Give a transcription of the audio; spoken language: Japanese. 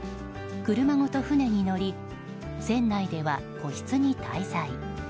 車ごと船に乗り、船内では個室に滞在。